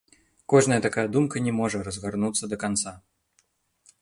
Кожная такая думка не можа разгарнуцца да канца.